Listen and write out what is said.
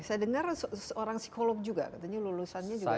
saya dengar seorang psikolog juga katanya lulusannya juga